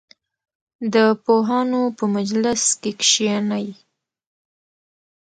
د پوهانو په مجلس کې کښېنئ.